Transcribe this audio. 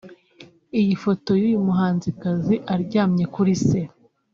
Iyi foto y’uyu muhanzikazi aryamye kuri se